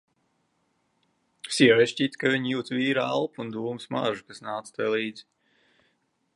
Sievai šķita, ka viņa jūt vīra elpu un dūmu smaržu, kas nāca tai līdz.